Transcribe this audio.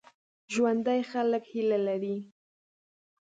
ژوندي خلک هیله لري